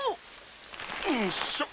ん⁉んしょ。